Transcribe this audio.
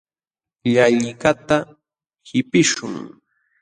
Llalliqkaqta qipiśhun.